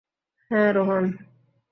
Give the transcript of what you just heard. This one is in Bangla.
হ্যাঁ, রোহান।